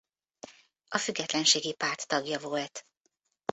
A függetlenségi párt tagja volt.